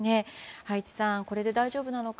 葉一さん、これで大丈夫なのか